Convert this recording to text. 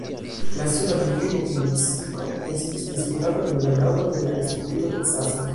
La suda landlimo kun Meksiko estis disputata dum la daŭro de la Respubliko Teksaso.